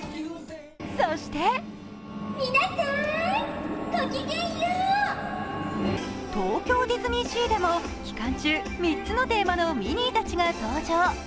そして東京ディズニーシーでも期間中、３つのテーマのミニーたちが登場。